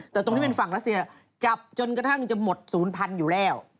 แต่ตรงนี้เป็นฝั่งรัสเซียจับจนกระทั่งจะหมดศูนย์พันธุ์อยู่แล้ว